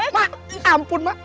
mak ampun mak